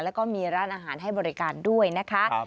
แล้วก็มีร้านอาหารให้บริการด้วยนะคะ